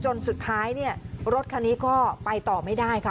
จนสุดท้ายรถคันนี้ก็ไปต่อไม่ได้ค่ะ